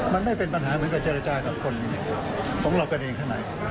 มันไม่เป็นปัญหาเหมือนกับเจรจากับคนของเรากันเองข้างใน